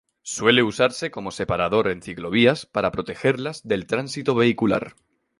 Suele usarse como separador en ciclovías para protegerlas del tránsito vehicular.